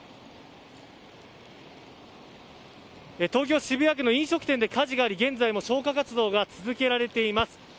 東京・渋谷区の飲食店で火事があり現在も消火活動が続けられています。